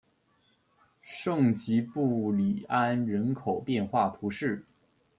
圣吉布里安人口变化图示